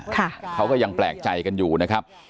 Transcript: เขาก็ยังแปลกใจกันอยู่นะครับ